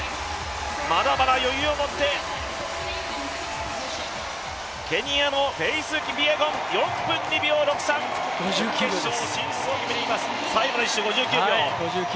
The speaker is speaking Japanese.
まだまだ余裕を持って、ケニアのフェイス・キピエゴン４分２秒６３準決勝進出を決めています。